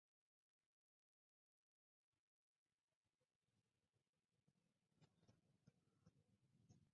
El siguiente diagrama muestra a las localidades en un radio de de La Grange.